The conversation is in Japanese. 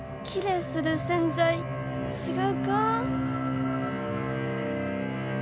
きれいする洗剤違うか？